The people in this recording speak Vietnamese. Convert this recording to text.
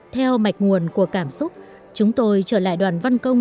theo mạch nguồn của cảm xúc chúng tôi trở lại đoàn văn công